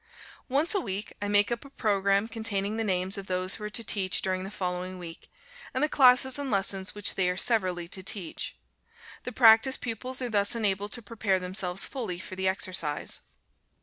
Once a week I make up a programme containing the names of those who are to teach during the following week, and the classes and lessons which they are severally to teach. The practice pupils are thus enabled to prepare themselves fully for the exercise.